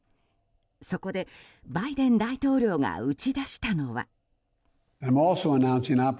そこでバイデン大統領が打ち出したのは。